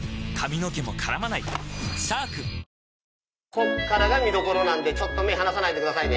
こっからが見どころなんで目離さないでくださいね。